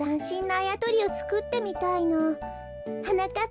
あやとりをつくってみたいの。はなかっ